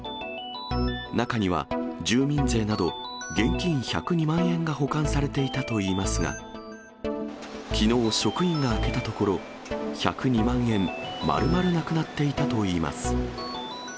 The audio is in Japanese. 中には住民税など、現金１０２万円が保管されていたといいますが、きのう、職員が開けたところ、１０２万円まるまるなくなっていたといいます。